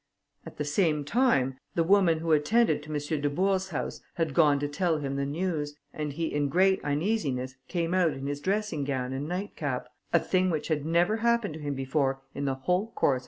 At the same time, the woman who attended to M. Dubourg's house had gone to tell him the news, and he in great uneasiness came out in his dressing gown and nightcap, a thing which had never happened to him before in the whole course of his life.